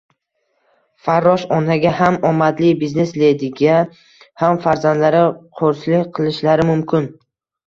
Farrosh-onaga ham omadli biznes-lediga ham farzandlari qo‘rslik qilishlari mumkin.